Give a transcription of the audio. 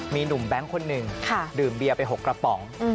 มีหนุ่มแบงค์คนหนึ่งดื่มเบียร์ไป๖กระป๋อง